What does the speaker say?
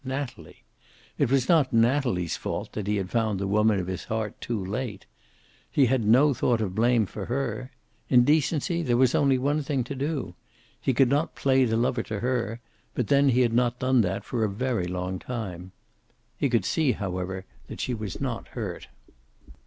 Natalie. It was not Natalie's fault that he had found the woman of his heart too late. He had no thought of blame for her. In decency, there was only one thing to do. He could not play the lover to her, but then he had not done that for a very long time. He could see, however, that she was not hurt.